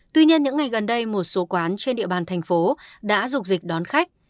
tuy nhiên những ngày gần đây một số quán trên địa bàn tp hcm đã rục dịch đón khách